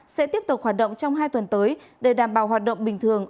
sẽ tiếp tục hoạt động trong hai tuần tới để đảm bảo hoạt động bình thường